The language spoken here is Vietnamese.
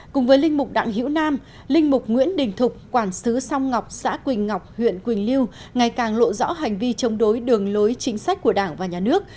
cùng với linh mục đặng hữu nam linh mục nguyễn đình thục quản sứ song ngọc xã quỳnh ngọc huyện quỳnh lưu ngày càng lộ rõ hành vi chống đối đường lối chính sách của đảng và nhà nước